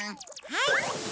はい！